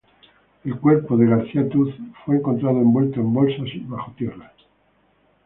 El cuerpo de García Tooth fue encontrado envuelto en bolsas y bajo tierra.